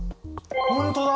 本当だ！